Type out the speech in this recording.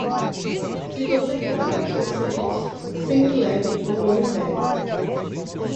Se você quer dar bons conselhos, sempre leve um homem velho.